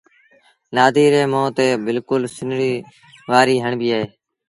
نآديٚ ري مݩهݩ تي بلڪُل سنڙيٚ وآريٚ هڻبيٚ اهي۔